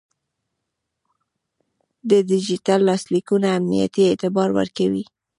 د ډیجیټل لاسلیکونه امنیتي اعتبار ورکوي.